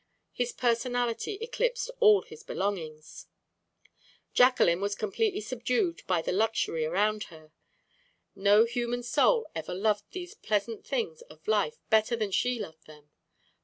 His personality eclipsed all his belongings. Jacqueline was completely subdued by the luxury around her. No human soul ever loved these pleasant things of life better than she loved them.